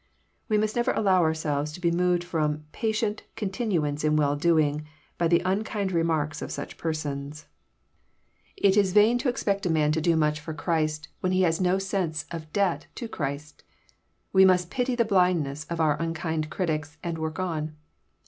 We must never allow ourselves to be moved from "patient continuance in well doing," by the unkind re marks of such persons It is vain to expect a man to do JOHN, CHAP. XII. 309 much for Christ, when he hag no sense of debt to Christ. We must pity the blindness of our unkind critics, and work on.